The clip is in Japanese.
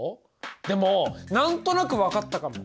でも何となく分かったかも！